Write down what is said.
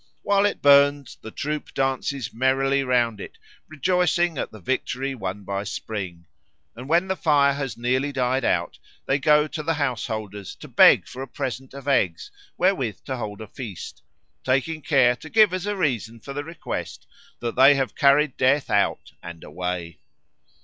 While it burns the troop dances merrily round it, rejoicing at the victory won by Spring; and when the fire has nearly died out they go to the householders to beg for a present of eggs wherewith to hold a feast, taking care to give as a reason for the request that they have carried Death out and away.